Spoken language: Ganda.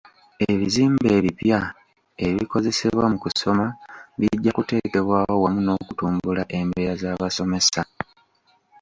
Ebizimbe ebipya ebikozesebwa mu kusoma bijja kuteekebwawo wamu n'okutumbula embeera z'abasomesa.